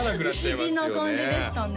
不思議な感じでしたね